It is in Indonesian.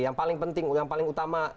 yang paling penting yang paling utama